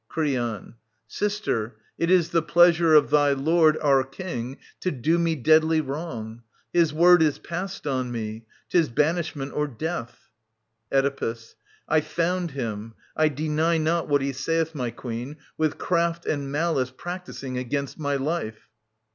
'/ Creon. Sister, it is the pleasure of thy lord. Our King, to do me deadly wrong. His word Is passed on me : 'tis banishment or death. Oedipus. I found him ... I deny not what he saith. My Queen ... with craft and malice practising Against my life.